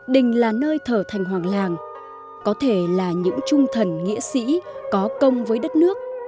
đình là nơi thở thành hoàng làng có thể là những trung thần nghĩa sĩ có công với đất nước